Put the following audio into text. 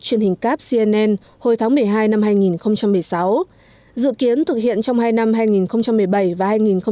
truyền hình cap cnn hồi tháng một mươi hai năm hai nghìn một mươi sáu dự kiến thực hiện trong hai năm hai nghìn một mươi bảy và hai nghìn một mươi chín